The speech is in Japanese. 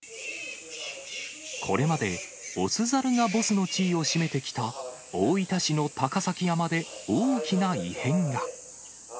これまで雄ザルがボスの地位を占めてきた大分市の高崎山で、大きな異変が。